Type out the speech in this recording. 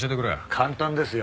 簡単ですよ。